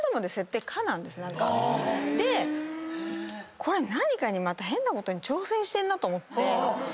これ何かにまた変なことに挑戦してんなと思って。